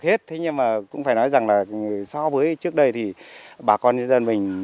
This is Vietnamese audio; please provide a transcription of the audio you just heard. hết thế nhưng mà cũng phải nói rằng là so với trước đây thì bà con nhân dân mình